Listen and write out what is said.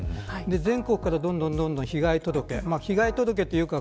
全国から、どんどん被害届というか